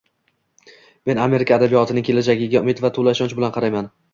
Men Amerika adabiyotining kelajagiga umid va to‘la ishonch bilan qarayman